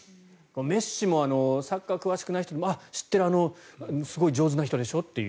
メッシもサッカー詳しくない人でもあ、知ってるあのすごい上手な人でしょ？っていう。